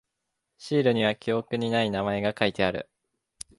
シールには記憶にない名前が書いてある。